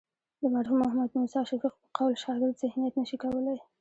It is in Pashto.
د مرحوم محمد موسی شفیق په قول شاګرد ذهنیت نه شي کولی.